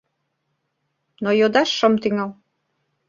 Но йодаш шым тӱҥал.